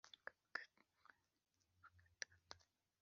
kuyobora ibirenge byacu mu nzira y’amahoro.’’